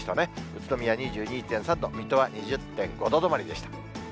宇都宮２２．３度、水戸は２０．５度止まりでした。